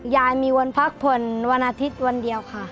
ยายมีวันพักผ่อนวันอาทิตย์วันเดียวค่ะ